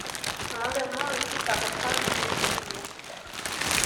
Son engagement le pousse à reprendre ses études universitaires.